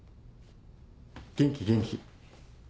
元気元気。